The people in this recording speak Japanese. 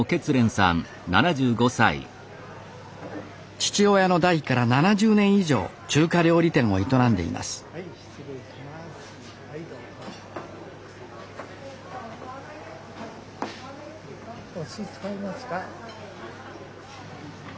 父親の代から７０年以上中華料理店を営んでいますお酢使いますか？